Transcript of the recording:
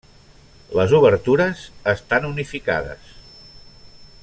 Les obertures estan unificades.